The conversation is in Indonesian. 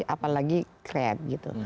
apalagi kreatif gitu